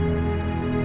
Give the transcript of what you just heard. ada apa dek